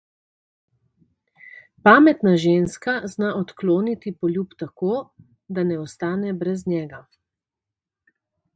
Pametna ženska zna odkloniti poljub tako, da ne ostane brez njega.